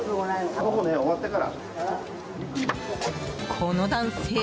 この男性